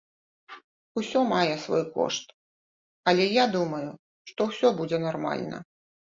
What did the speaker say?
Усё мае свой кошт, але я думаю, што ўсё будзе нармальна.